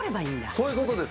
そういうことです。